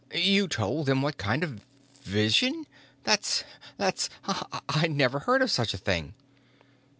You told them what kind of vision.... That's that's I never heard of such a thing!"